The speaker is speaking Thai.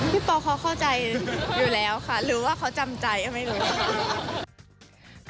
ปอเขาเข้าใจอยู่แล้วค่ะหรือว่าเขาจำใจก็ไม่รู้ค่ะ